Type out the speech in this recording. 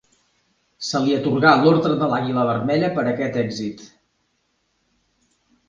Se li atorgà l'Ordre de l'àguila vermella per a aquest èxit.